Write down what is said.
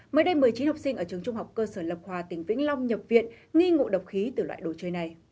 mới đây một mươi chín học sinh ở trường trung học cơ sở lộc hòa tỉnh vĩnh long nhập viện nghi ngộ độc khí từ loại đồ chơi này